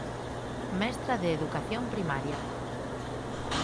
Mestra de educación primaria.